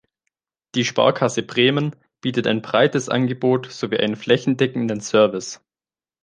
Die Sparkasse Bremen bietet ein breites Angebot sowie einen flächendeckenden Service.